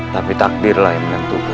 tapi takdirlah yang menentukan